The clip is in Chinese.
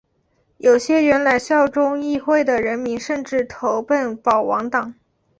有些原来效忠议会的人民甚至投奔保王党。